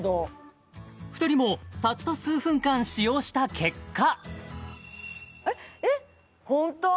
２人もたった数分間使用した結果ホント！